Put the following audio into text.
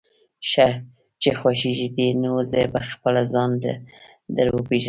ښه چې خوښېږي دې، نو زه به خپله ځان در وپېژنم.